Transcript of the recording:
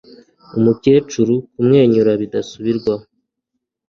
Umukecuru kumwenyura bidasubirwaho